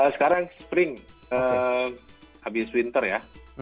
sekarang spring habis winter ya